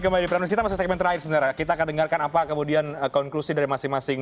kembali kita bisa mencari sebenarnya kita akan dengarkan apa kemudian konklusi dari masing masing